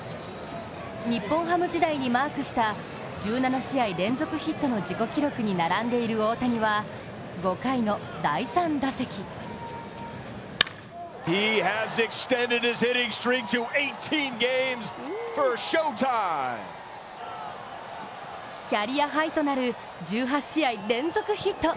日本ハム時代にマークした１７試合連続ヒットの自己記録に並んでいる大谷は５回の第３打席キャリアハイとなる１８試合連続ヒット。